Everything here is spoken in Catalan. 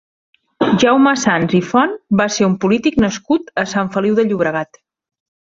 Jaume Sans i Font va ser un polític nascut a Sant Feliu de Llobregat.